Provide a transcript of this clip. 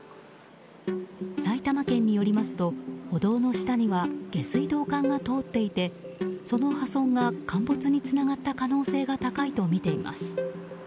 埼玉県によりますと歩道の下には下水道管が通っていてその破損が陥没につながった可能性が高いとみています。